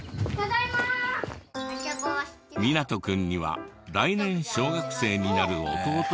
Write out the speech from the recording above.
海那人君には来年小学生になる弟が１人。